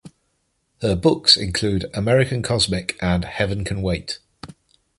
Her books include "American Cosmic" and "Heaven Can Wait".